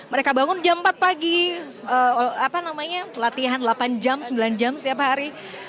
mereka bangun jam empat pagi latihan delapan jam sembilan jam setiap hari